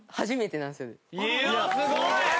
いやすごい！